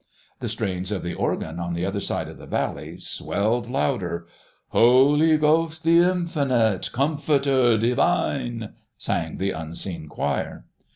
The strains of the organ on the other side of the valley swelled louder:— "... Holy Ghost the Infinite, Comforter Divine..." sang the unseen choir.